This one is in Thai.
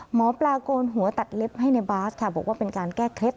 หมอปลาโกนหัวตัดเล็บให้ในบาสค่ะบอกว่าเป็นการแก้เคล็ด